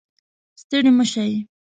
ستړې مه شې